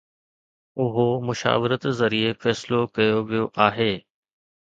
اهو مشاورت ذريعي فيصلو ڪيو ويو آهي.